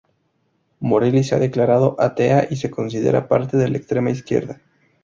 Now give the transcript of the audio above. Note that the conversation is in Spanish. Morelli se ha declarado atea y se considera parte de la extrema izquierda.